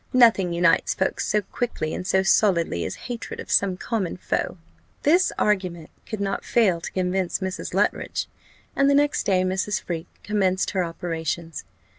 Nothing unites folk so quickly and so solidly, as hatred of some common foe." This argument could not fail to convince Mrs. Luttridge, and the next day Mrs. Freke commenced her operations.